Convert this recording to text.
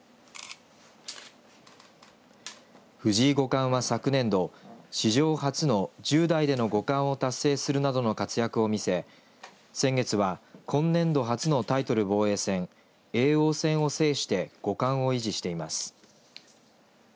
藤井五冠は昨年度史上初の１０代での五冠を達成するなどの活躍を見せ、先月は今年度初のタイトル防衛戦叡王戦を制して五冠を維持しています。